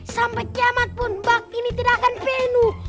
sampai kiamat pun bak ini tidak akan penuh